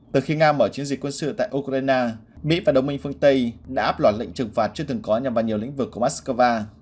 từ khi nga mở chiến dịch quân sự tại ukraine mỹ và đồng minh phương tây đã áp loạt lệnh trừng phạt chưa từng có nhằm vào nhiều lĩnh vực của moscow